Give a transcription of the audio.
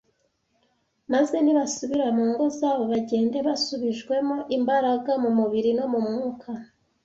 maze nibasubira mu ngo zabo bagende basubijwemo imbaraga mu mubiri no mu mwuka.